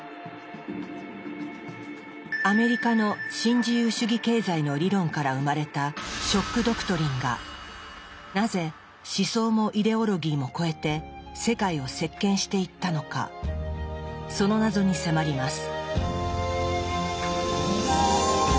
アメリカの新自由主義経済の理論から生まれた「ショック・ドクトリン」がなぜ思想もイデオロギーも超えて世界を席巻していったのかその謎に迫ります。